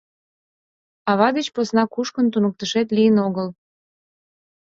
Ава деч посна кушкын, туныктышет лийын огыл.